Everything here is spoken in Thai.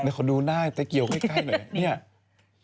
เดี๋ยวขอดูหน้าตะเกียวใกล้หน่อยเนี่ย